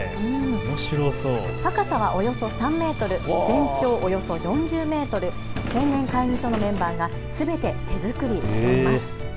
高さはおよそ３メートル、全長およそ４０メートル、青年会議所のメンバーがすべて手作りしいます。